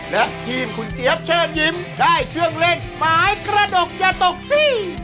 และทีมคุณเจี๊ยบเชิญยิ้มได้เครื่องเล่นหมายกระดกอย่าตกสิ